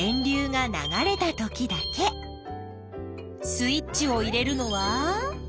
スイッチを入れるのは。